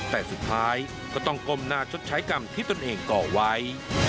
แต่สุดท้ายก็ต้องก้มหน้าชดใช้กรรมที่ตนเองก่อไว้